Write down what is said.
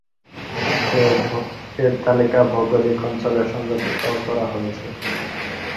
এর তালিকা ভৌগোলিক অঞ্চলে সংগঠিত করা হয়েছে।